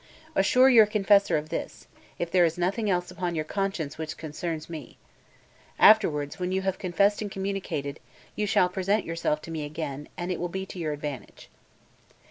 Assure your confessor of this, if there is nothing else upon your conscience which concerns me. Afterwards, when you have confessed and communicated, you shall present yourself to me again, and it will be to your advantage."